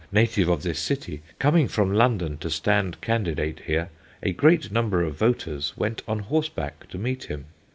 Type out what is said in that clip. native of this city, coming from London to Stand Candidate Here, a great number of voters went on Horseback to meet him.